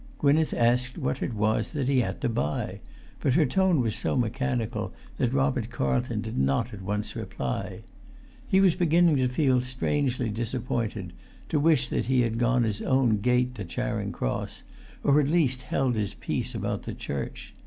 Gwynneth asked what it was that he had to buy; but her tone was so mechanical that Robert Carlton did not at once reply. He was beginning to feel strangely disappointed, to wish that he had gone his own gait to Charing Cross, or at least held his peace about the church.